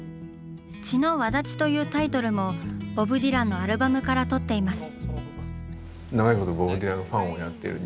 「血の轍」というタイトルもボブ・ディランのアルバムからとっています。